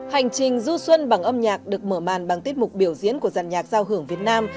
hành trình du xuân bằng âm nhạc được mở màn bằng tiết mục biểu diễn của giàn nhạc giao hưởng việt nam